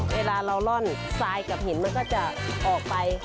เวลาเราร่อนทรายกับหินมันก็จะออกไป